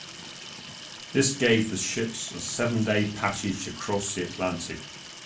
This gave the ships a seven-day passage across the Atlantic.